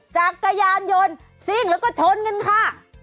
จักรยานยนต์ซิ่งแล้วก็ชนกันค่ะ